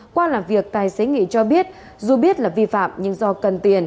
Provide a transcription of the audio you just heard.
qua làm việc tài xế nghị cho biết dù biết là vi phạm nhưng do cần tiền